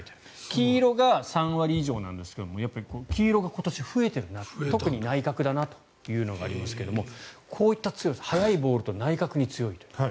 黄色が３割以上なんですが黄色が今年増えているな特に内角だなというのがありますがこういった強さ速いボールと内角に強い。